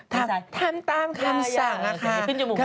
ทำตามคำสั่งอะค่ะ